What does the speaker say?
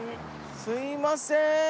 すいません。